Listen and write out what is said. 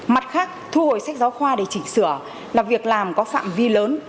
mặt khác thu hồi sách giáo khoa để chỉnh sửa là việc làm có phạm vi lớn